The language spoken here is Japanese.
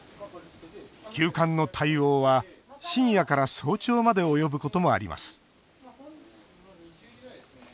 急患の対応は深夜から早朝まで及ぶこともあります。